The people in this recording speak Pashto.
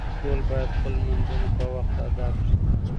ټول باید خپل لمونځونه په وخت ادا کړو